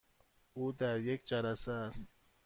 او در یک جلسه است.